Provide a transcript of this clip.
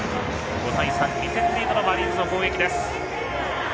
５対３、２点リードのマリーンズの攻撃です。